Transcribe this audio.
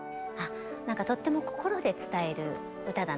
なんかとっても心で伝える歌だな。